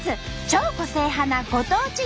超個性派なご当地